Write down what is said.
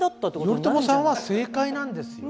頼朝さんは正解なんですよ。